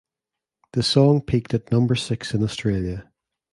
The song peaked at number six in Australia.